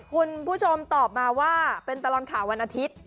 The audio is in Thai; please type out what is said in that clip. คุณผู้ชมตอบมาว่าเป็นตลอดข่าววันอาทิตย์